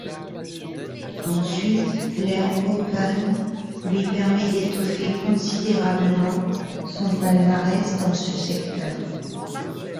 Ensuite l'ère Open lui permet d'étoffer considérablement son palmarès dans ce secteur.